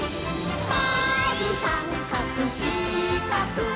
「まるさんかくしかく」